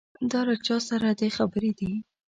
دا له چا سره دې خبرې دي.